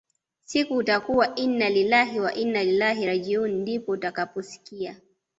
siku utakua innalillah wainnailah rajiuun ndipoo utakaposikia